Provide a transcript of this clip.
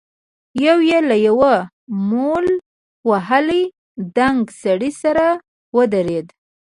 يو يې له يوه مول وهلي دنګ سړي سره ودرېد.